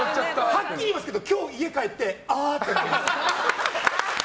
はっきり言いますけど今日、家帰ってあ゛ぁ！ってなります。